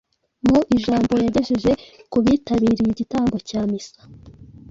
mu ijambo yagejeje ku bitabiriye Igitambo cya Misa